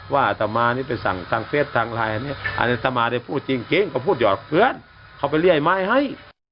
ว่าต่อมานี่เป็นสั่งเฟศสั่งลายอันนี้อันนั้นต่อมาได้พูดจริงก็พูดหยอกเพือนเขาไปเรียกใหม่ให้